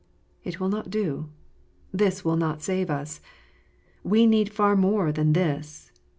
It will not do. This will not save us. We need far more than this.